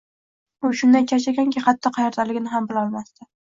U shunday charchagandiki, hatto qaerdaligini ham bilolmasdi